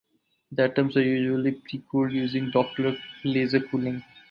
The atoms are usually precooled using the Doppler laser cooling.